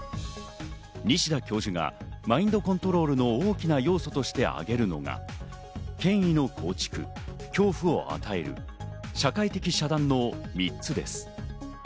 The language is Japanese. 西田教授がマインドコントロールの大きな要素として挙げるのが権威の構築、恐怖を与える、社会的遮断の３つです。